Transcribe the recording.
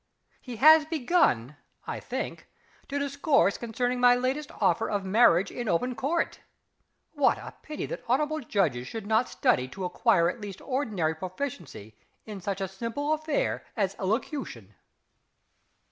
He has begun (I think) to discourse concerning my latest offer of marriage in open Court. What a pity that hon'ble judges should not study to acquire at least ordinary proficiency in such a simple affair as Elocution!